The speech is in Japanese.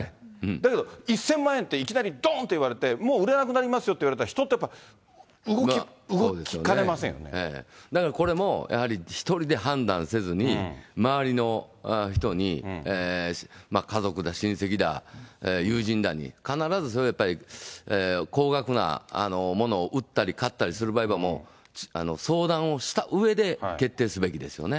だけど、１０００万円っていきなりどんと言われて、もう売れなくなりますよって言われたら、人ってやっぱり動きかねだから、これも１人で判断せずに、周りの人に家族だ、親戚だ、友人だに、必ず高額なものを売ったり買ったりする場合は、相談をしたうえで決定すべきですよね。